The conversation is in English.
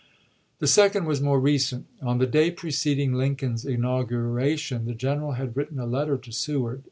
The second was more recent. On the day preceding Lincoln's inauguration, the gen eral had written a letter to Seward.